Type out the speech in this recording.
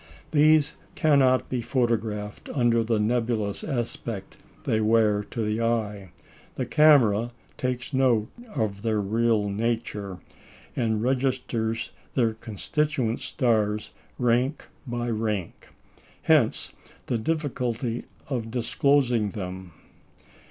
These cannot be photographed under the nebulous aspect they wear to the eye; the camera takes note of their real nature, and registers their constituent stars rank by rank. Hence the difficulty of disclosing them.